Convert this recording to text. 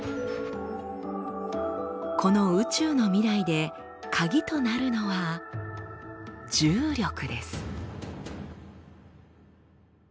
この宇宙の未来でカギとなるのは「重力」です。